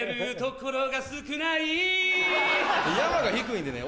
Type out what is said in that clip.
山が低いんでね